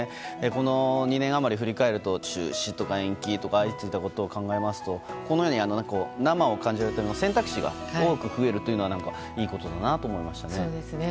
この２年余りを振り返ると中止とか延期とかが相次いだことを考えますとこのように生を感じるという選択肢が多く増えるというのはいいことだなと思いましたね。